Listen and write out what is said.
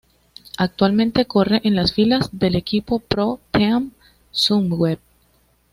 Actualmente corre en las filas del equipo ProTeam Sunweb.